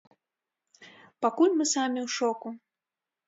Пакуль мы самі ў шоку.